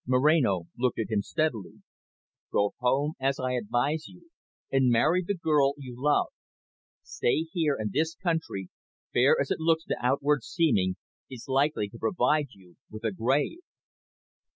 Moreno looked at him steadily. "Go home as I advise you, and marry the girl you love. Stay here, and this country, fair as it looks to outward seeming, is likely to provide you with a grave."